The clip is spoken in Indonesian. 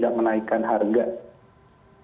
jadi kita bisa menurunkan harga pertamina